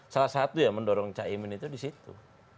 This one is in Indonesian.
salah satu ya mendorong cak iman itu disitu